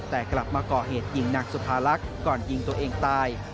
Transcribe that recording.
แต่กลับมาก่อเหตุยิงนางสุภาลักษณ์ก่อนยิงตัวเองตาย